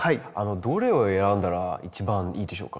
どれを選んだら一番いいでしょうか？